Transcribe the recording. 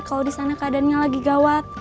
kalau di sana keadaannya lagi gawat